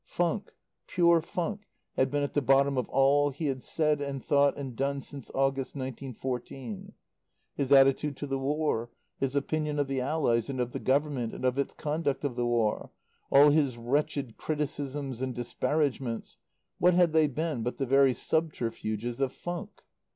Funk, pure funk, had been at the bottom of all he had said and thought and done since August, nineteen fourteen; his attitude to the War, his opinion of the Allies, and of the Government and of its conduct of the War, all his wretched criticisms and disparagements what had they been but the very subterfuges of funk?